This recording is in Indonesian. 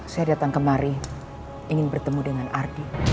saya datang kemari ingin bertemu dengan ardi